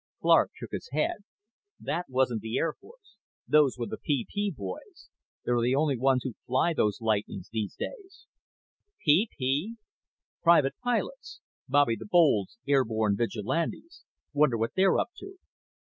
Clark shook his head. "That wasn't the Air Force. Those were the PP boys. They're the only ones who fly those Lightnings these days." "PP?" "Private Pilots. Bobby the Bold's airborne vigilantes. Wonder what they're up to?"